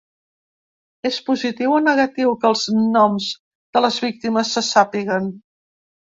És positiu o negatiu que els noms de les víctimes se sàpiguen?